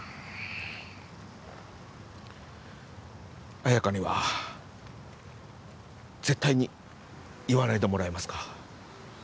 綾華には絶対に言わないでもらえますか？